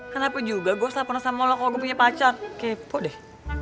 kenapa juga gue setelah pernah sama lo kalau gue punya pacar kepo deh